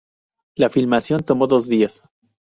La filmación tomó dos días.